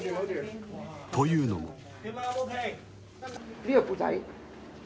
というのも。